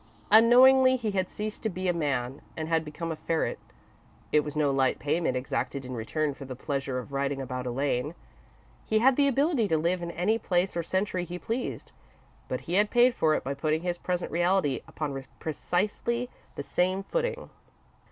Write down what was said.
Unknowingly, he had ceased to be a man and had become a ferret. It was no light payment exacted in return for the pleasure of writing about Elaine. He had the ability to live in any place or century he pleased, but he had paid for it by putting his present reality upon precisely the same footing.